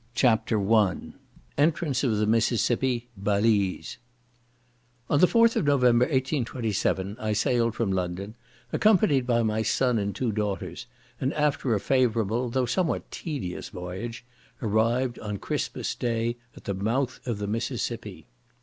CHAPTER I Entrance of the Mississippi—Balize On the 4th of November, 1827, I sailed from London, accompanied by my son and two daughters; and after a favourable, though somewhat tedious voyage, arrived on Christmas day at the mouth of the Mississippi.